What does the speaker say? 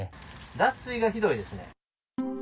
脱水がひどいですね。